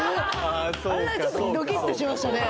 あれはちょっとドキッとしましたね